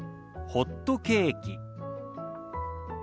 「ホットケーキ」。